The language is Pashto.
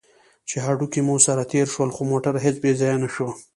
چې هډوکي مو سره تېر شول، خو موټر هېڅ بې ځایه نه شو.